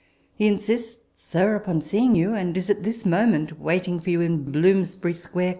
"He insists, sir, upon seeing you, and is at this moment waiting for you in Bloomsbury Square Coffee house."